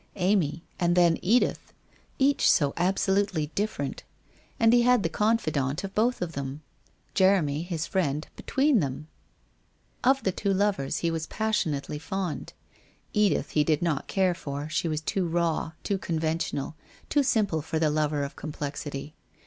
Amy — and then Edith ! Each so absolutely different. And he the confidant of them both. Jeremy, his friend, be tween them ! Of the two lovers he was passionately fond. Edith he did not care for; she was too raw, too conven tional, too simple for the lover of complexity.